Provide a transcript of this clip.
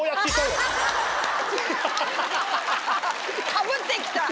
かぶってきた。